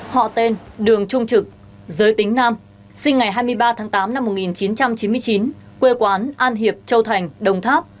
họ tên đường trung trực giới tính nam sinh ngày hai mươi ba tháng tám năm một nghìn chín trăm chín mươi chín quê quán an hiệp châu thành đồng tháp